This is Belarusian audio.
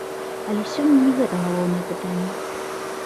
Але сёння не гэта галоўнае пытанне.